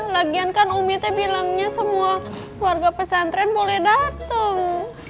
lagian kan umi dia bilangnya semua warga pesantren boleh dateng